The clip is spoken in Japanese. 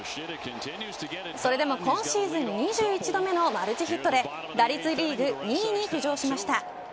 それでも今シーズン２１度目のマルチヒットで打率リーグ２位に浮上しました。